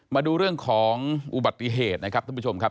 มาดูเรื่องของอุบัติเหตุนะครับท่านผู้ชมครับ